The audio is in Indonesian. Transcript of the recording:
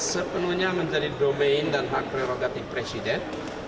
sepenuhnya menjadi domain dan hak prerogatif presiden